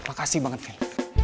makasih banget fin